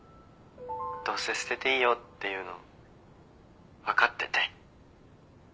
どうせ捨てていいよって言うの分かってて。